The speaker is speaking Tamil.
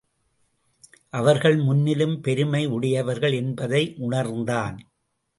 அவர்கள் முன்னிலும் பெருமை உடையவர்கள் என்பதை உணர்ந்தான்.